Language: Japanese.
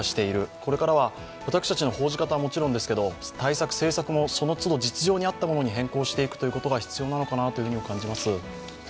これからは私たちの報じ方ももちろんですが対策、政策もその都度、実情に合ったものに変更していくということが必要なのかなと感じます。